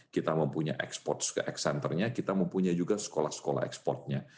kita mempunyai ekspor ke ex centernya kita mempunyai juga sekolah sekolah ekspornya